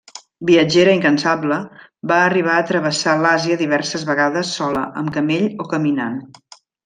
Viatgera incansable, va arribar a travessar l'Àsia diverses vegades sola, amb camell o caminant.